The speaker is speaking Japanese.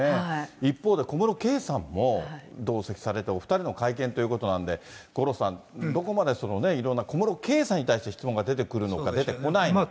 一方で、小室圭さんも同席されて、お２人の会見ということなんで、五郎さん、どこまでいろんな、小室圭さんに対する質問が出てくるのか、出てこないのか。